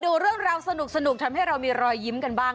ดูเรื่องราวสนุกทำให้เรามีรอยยิ้มกันบ้าง